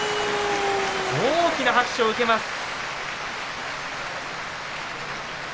大きな拍手を受けます。